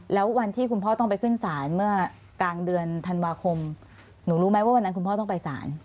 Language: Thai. แล้ววันที่คุณพ่อต้องไปขึ้นศาลเมื่อกลางเดือนธันวาคมหนูรู้ไหมว่าวันนั้นคุณพ่อต้องไปสาร